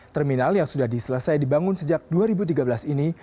terminal yang sudah diselesai dibangun sejak dua ribu tiga belas ini